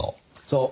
そう。